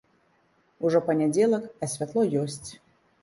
Ужо панядзелак, а святло ёсць.